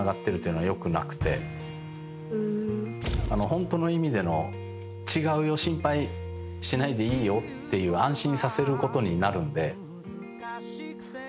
ホントの意味での違うよ心配しないでいいよっていう安心させることになるんで。